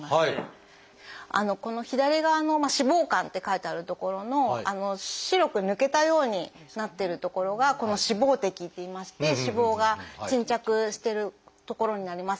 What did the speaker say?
この左側の「脂肪肝」って書いてある所の白く抜けたようになっている所が「脂肪滴」っていいまして脂肪が沈着している所になります。